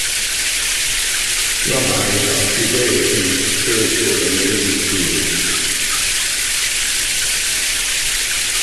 Rabbis are Judaism's spiritual and religious leaders.